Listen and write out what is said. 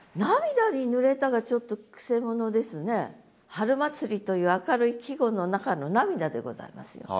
春祭りという明るい季語の中の涙でございますよ。